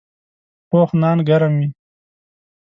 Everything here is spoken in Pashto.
پوخ نان ګرم وي